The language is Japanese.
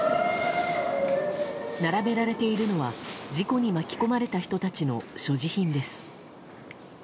並べられているのは事故に巻き込まれた人たちの所持品です。